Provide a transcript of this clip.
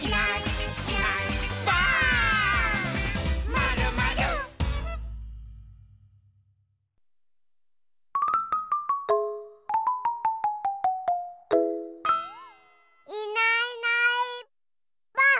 「まるまる」いないいないばあっ！